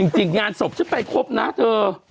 จริงงานศพฉันไปครบนะเธอ